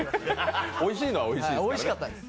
おいしいのはおいしいのね。